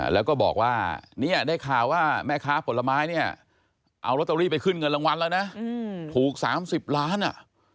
แล้วก็บอกว่าเนี่ยได้ข่าวว่าแม่ค้าผลไม้เนี่ยเอาลอตเตอรี่ไปขึ้นเงินรางวัลแล้วนะถูก๓๐ล้านอ่ะ